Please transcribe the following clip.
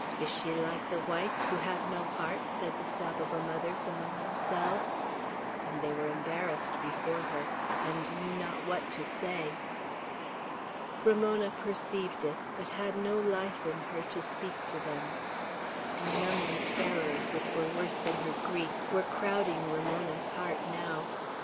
Is she like the whites, who have no heart?" said the Saboba mothers among themselves; and they were embarrassed before her, and knew not what to say. Ramona perceived it, but had no life in her to speak to them. Benumbing terrors, which were worse than her grief, were crowding Ramona's heart now.